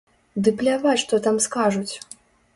Ды пляваць, што там скажуць!